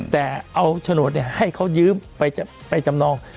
แต่เอาโฉนดให้เขายืมไปจำนอง